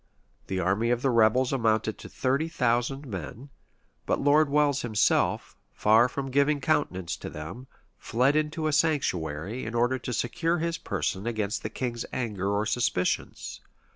The army of the rebels amounted to thirty thousand men; but Lord Welles himself, far from giving countenance to them, fled into a sanctuary, in order to secure his person against the king's anger or suspicions.